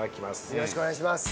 よろしくお願いします。